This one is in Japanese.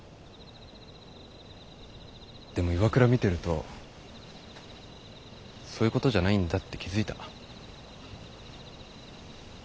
でも岩倉見てるとそういうことじゃないんだって気付いた。